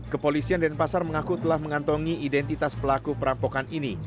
kepolisian denpasar mengaku telah mengantongi identitas pelaku perampokan ini